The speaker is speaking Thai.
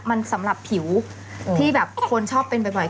มันสำหรับผิวที่แบบคนชอบเป็นบ่อย